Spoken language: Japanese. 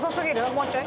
もうちょい？